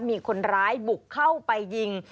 มีคนร้ายบุกเข้าไปยิง